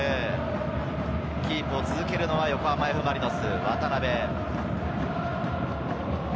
キープを続ける横浜Ｆ・マリノス。